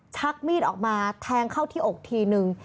ชักมีดออกมาแทงเข้าที่อกทีนึง